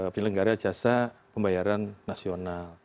penyelenggara jasa pembayaran nasional